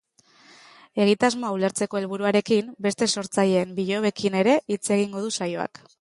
Egitasmoa ulertzeko helburuarekin, beste sortzaileen bilobekin ere hitz egingo du saioak.